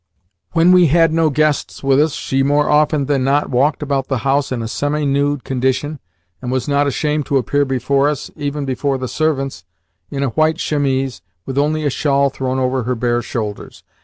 When we had no guests with us she more often than not walked about the house in a semi nude condition, and was not ashamed to appear before us even before the servants in a white chemise, with only a shawl thrown over her bare shoulders.